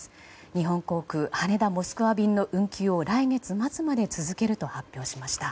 日本航空羽田モスクワ便の運休を来月末まで続けると発表しました。